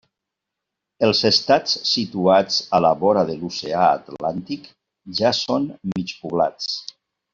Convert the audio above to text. Els estats situats a la vora de l'oceà Atlàntic ja són mig poblats.